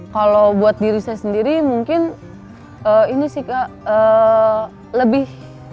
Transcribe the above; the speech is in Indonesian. kalau buat diri saya sendiri mungkin ini sih kak lebih